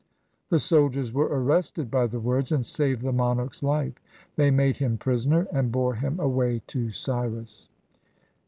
The soldiers were arrested by the words, and saved the monarch's Hfe. They made him prisoner, and bore him away to Cyrus.